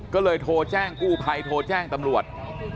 ก็เลยโทรแจ้งกู้ภัยโทรแจ้งตำรวจ